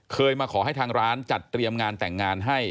เคยมาขอให้ทางร้านจัดเตรียมงานแต่งงานให้